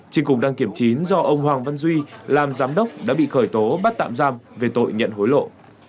trên cùng đăng kiểm chín do ông hoàng văn duy làm giám đốc đã bị khởi tố bắt tạm giam về tội nhận hối lộ